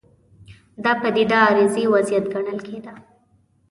دا پدیده عارضي وضعیت ګڼل کېده.